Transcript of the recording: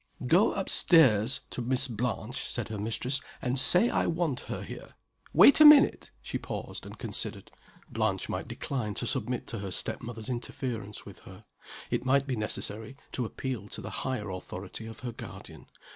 "Go up stairs to Miss Blanche," said her mistress, "and say I want her here. Wait a minute!" She paused, and considered. Blanche might decline to submit to her step mother's interference with her. It might be necessary to appeal to the higher authority of her guardian.